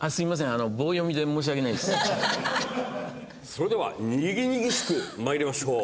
それではにぎにぎしくまいりましょう。